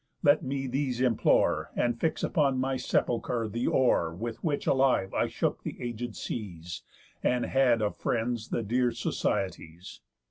Let me these implore And fix upon my sepulchre the oar With which alive I shook the aged seas, And had of friends the dear societies.